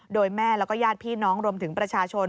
โดยแม่แล้วก็ญาติพี่น้องรวมถึงประชาชน